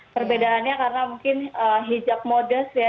perbedaannya karena mungkin hijab modest ya